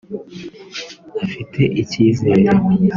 afite icyizere